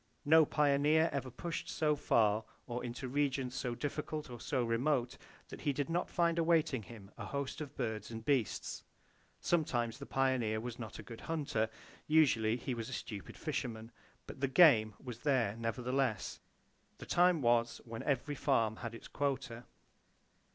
No pioneer ever pushed so far, or into regions so difficult or so remote, that he did not find awaiting him a host of birds and beasts. Sometimes the pioneer was not a good hunter; usually he was a stupid fisherman; but the "game" was there, nevertheless. The time was when every farm had its quota.